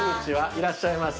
いらっしゃいませ。